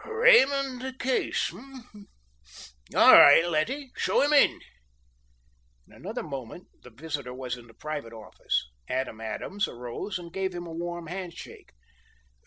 "Raymond Case, eh? All right, Letty, show him in." In another moment the visitor was in the private office. Adam Adams arose and gave him a warm handshake.